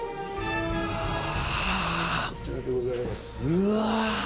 うわ。